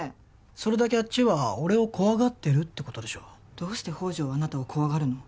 それだけあっちは俺を怖がってるってことでしょどうして宝条はあなたを怖がるの？